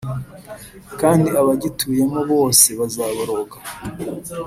kandi abagituyemo bose bazaboroga